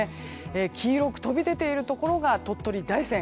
黄色く飛び出ているところが鳥取・大山。